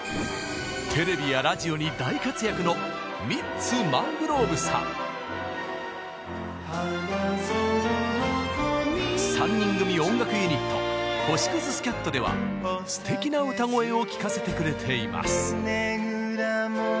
テレビやラジオに大活躍の３人組音楽ユニット「星屑スキャット」ではすてきな歌声を聴かせてくれています。